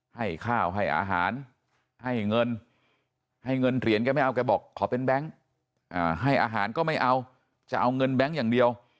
ให้ข้าวให้อาหารให้เงินให้เงินเหรียญแกไม่เอาแกบอกขอเป็นแบงค์ให้อาหารก็ไม่เอาจะเอาเงินแบงค์อย่างเดียว